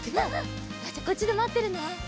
じゃあこっちでまってるね。